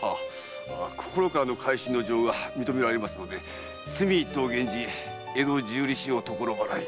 心からの改悛の情が認められますので罪一等を減じ江戸十里四方所払い。